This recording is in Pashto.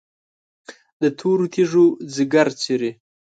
د تورو تیږو ځیګر څیري،